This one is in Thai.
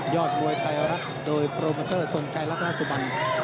ยอดมวยไตรรัฐโดยโปรเมอเตอร์สงชัยลักราชบัญ